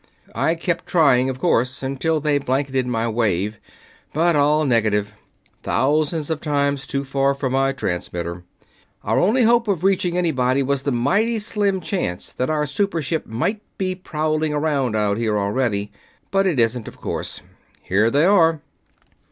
"I kept trying, of course, until they blanketed my wave, but all negative. Thousands of times too far for my transmitter. Our only hope of reaching anybody was the mighty slim chance that our super ship might be prowling around out here already, but it isn't, of course. Here they are!"